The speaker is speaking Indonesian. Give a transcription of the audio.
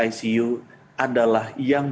icu adalah yang